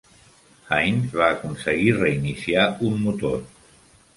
Hines va aconseguir reiniciar un motor.